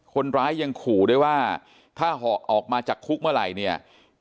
คนร้ายยังขู่ด้วยว่าถ้าเหาะออกมาจากคุกเมื่อไหร่เนี่ย